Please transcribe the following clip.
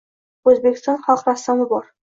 O‘zbekiston xalq rassomi bor.